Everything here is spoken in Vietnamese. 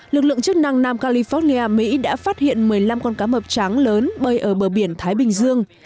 lực lượng chức năng nam california mỹ đã phát hiện một mươi năm con cá mập tráng lớn bơi ở bờ biển thái bình dương